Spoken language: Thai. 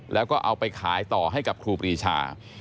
แล้วก็เอาไปขายต่อให้กับครูปรีชา